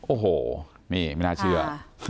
โอ้โหนี่ไม่น่าเชื่อ